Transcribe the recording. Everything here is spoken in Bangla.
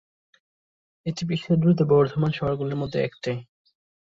এটি বিশ্বের দ্রুত বর্ধমান শহরগুলির মধ্যে একটি।